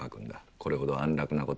これほど安楽なことはない。